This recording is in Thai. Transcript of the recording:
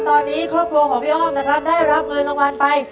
ตอนนี้ครอบครัวของพี่อ้อมนะครับได้รับเงินรางวัลไป